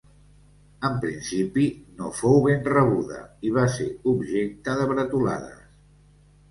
En principi, no fou ben rebuda, i va ser objecte de bretolades.